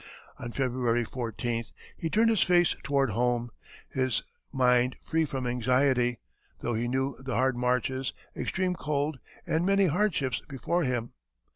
On February 14th he turned his face toward home, his mind free from anxiety, though he knew the hard marches, extreme cold, and many hardships before him.